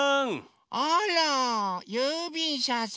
あらゆうびんしゃさん！